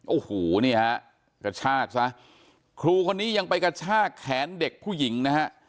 โอ้โหนี่ฮะกระชากซะครูคนนี้ยังไปกระชากแขนเด็กผู้หญิงนะฮะ